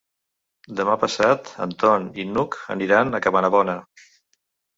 Demà passat en Ton i n'Hug aniran a Cabanabona.